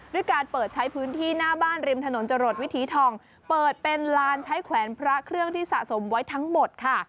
ด้วยการเปิดใช้พื้นที่หน้าบ้านริมถนนจรวดวิถีทองเปิดเป็นลานใช้แขวนพระเครื่องที่สะสมไว้ทั้งหมดค่ะ